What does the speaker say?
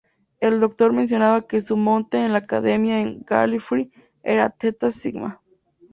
El Doctor menciona que su mote en la academia en Gallifrey era "Theta Sigma".